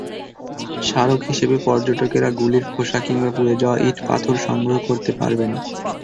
স্মারক হিসেবে পর্যটকেরা গুলির খোসা কিংবা পুড়ে যাওয়া ইট-পাথর সংগ্রহ করতে পারবেন।